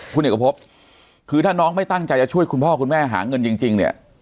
คุณเอกพบคือถ้าน้องไม่ตั้งใจจะช่วยคุณพ่อคุณแม่หาเงินจริงเนี่ย